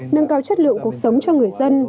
nâng cao chất lượng cuộc sống cho người dân